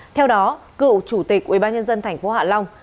theo đó cựu chủ tịch ubnd tp hạ long